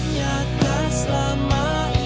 dan selama ini